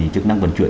chức năng vận chuyển